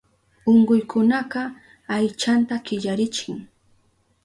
Unkuykunaka aychanta killarichin.